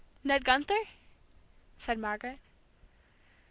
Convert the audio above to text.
"Ned Gunther?" said Margaret.